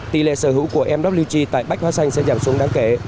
tỷ lệ sở hữu của mw tại bách hóa xanh sẽ giảm xuống đáng kể